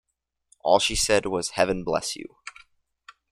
All she said was 'Heaven bless you!